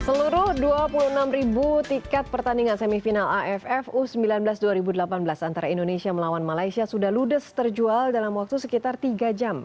seluruh dua puluh enam ribu tiket pertandingan semifinal aff u sembilan belas dua ribu delapan belas antara indonesia melawan malaysia sudah ludes terjual dalam waktu sekitar tiga jam